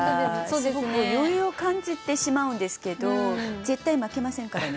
すごく余裕を感じてしまうんですけど絶対負けませんからね。